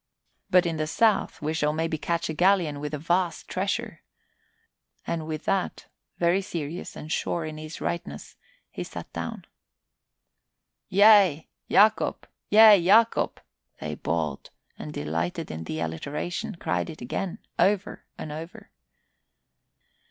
But in the South we shall maybe catch a galleon with a vast treasure." And with that, very serious and sure of his rightness, he sat down. "Yea, Yacob! Yea, Yacob!" they bawled and delighting in the alliteration cried it again, over and over.